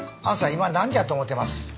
今何時やと思ってます？